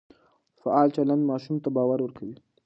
فعال چلند ماشوم ته باور ورکوي.